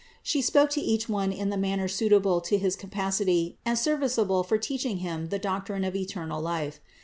She spoke to each one in the manner suitable to his capacity and serviceable for teaching him the doctrine of eternal life.